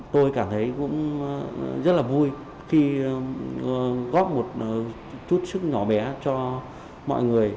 tôi cảm thấy cũng rất là vui khi góp một chút sức nhỏ bé cho mọi người